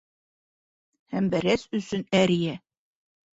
Һәм бәрәс өсөн әрйә.